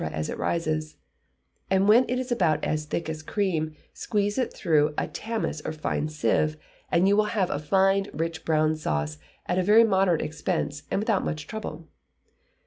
as it rises; when it is about as thick as cream, squeeze it through a tamis or fine sieve, and you will have a fine rich brown sauce, at a very moderate expense, and without much trouble.